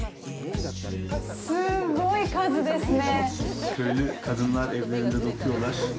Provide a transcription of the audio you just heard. すごい数ですね！